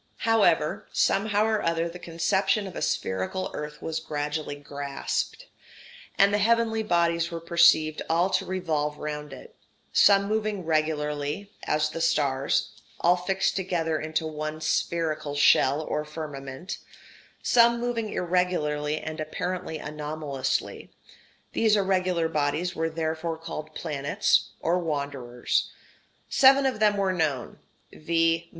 ] However, somehow or other the conception of a spherical earth was gradually grasped, and the heavenly bodies were perceived all to revolve round it: some moving regularly, as the stars, all fixed together into one spherical shell or firmament; some moving irregularly and apparently anomalously these irregular bodies were therefore called planets [or wanderers]. Seven of them were known, viz.